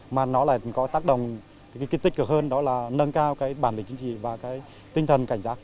mà nó lại có tác động tích cực hơn đó là nâng cao cái bản lĩnh chính trị và cái tinh thần cảnh giác